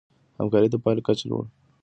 همکاري د پايلو کچه لوړوي.